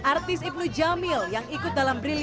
kita dari pt ini bersama dengan ibn jamil yang juga memperbuka